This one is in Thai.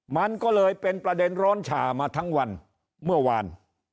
มันก็เลยเป็นประเด็นร้อนฉ่ามาทั้งวันเมื่อวาน